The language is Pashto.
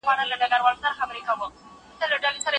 باید د ویټامین لرونکو مېوو خوړلو ته پوره پاملرنه وشي.